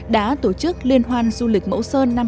đã tổ chức liên hoan du lịch mẫu sơn năm hai nghìn một mươi chín